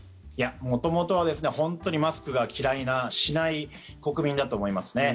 元々は本当にマスクが嫌いなしない国民だと思いますね。